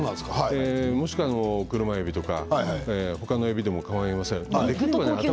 もしくは車えびとか他のえびでもかまいません。